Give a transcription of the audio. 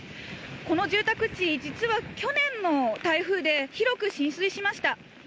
この住宅地、実は去年の台風で、広く浸水しました。